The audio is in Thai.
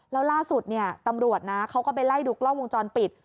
แล้วล่าสุดตำรวจเขาก็ไปไล่ดุกร่องวงจรปิด